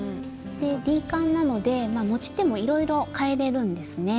Ｄカンなので持ち手もいろいろかえれるんですね。